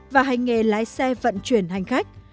và hành nghề lái xe vận chuyển hành khách